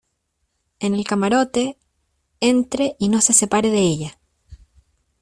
en el camarote. entre y no se separe de ella .